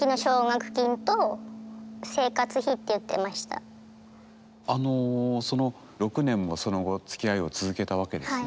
彼が言うには６年もその後つきあいを続けたわけですね。